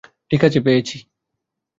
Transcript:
ঠিক আছে, পেয়েছি।